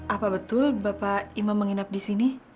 apa betul bapak imam menginap di sini